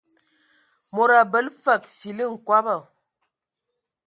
Mod abələ fəg fili nkɔbɔ.